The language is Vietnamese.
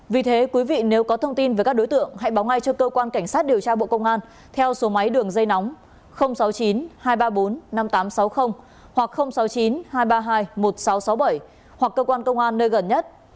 vì thế quý vị nếu có thông tin về các đối tượng hãy báo ngay cho cơ quan cảnh sát điều tra bộ công an theo số máy đường dây nóng sáu mươi chín hai trăm ba mươi bốn năm nghìn tám trăm sáu mươi hoặc sáu mươi chín hai trăm ba mươi hai một nghìn sáu trăm sáu mươi bảy hoặc cơ quan công an nơi gần nhất